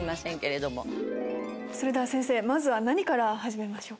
それでは先生まずは何から始めましょうか？